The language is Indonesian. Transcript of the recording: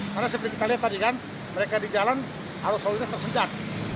karena seperti kita lihat tadi kan mereka di jalan arus lalu lintas tersenggat